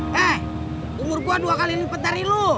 he umur gua dua kali ini petari lu